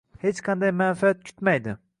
Hech qanday manfaat kutmaydi.